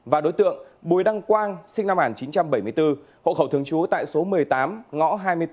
và đối tượng bùi đăng quang sinh năm một nghìn chín trăm bảy mươi bốn hộ khẩu thường trú tại số một mươi tám